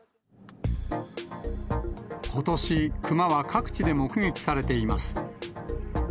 ことし、クマは各地で目撃されています。